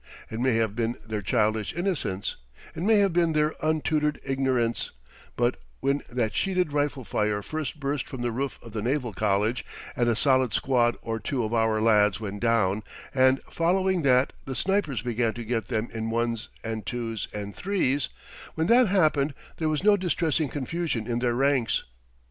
It may have been their childish innocence, it may have been their untutored ignorance, but when that sheeted rifle fire first burst from the roof of the Naval College, and a solid squad or two of our lads went down, and following that the snipers began to get them in ones and twos and threes when that happened there was no distressing confusion in their ranks.